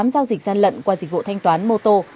ba mươi tám giao dịch gian lận qua dịch vụ thanh toán mô tô